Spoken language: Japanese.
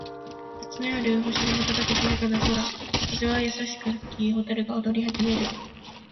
夏の夜、星が瞬く静かな空。風は優しく吹き、蛍が踊り始める。小さな町の中心にあるカフェでは、人々が笑顔で会話を楽しんでいる。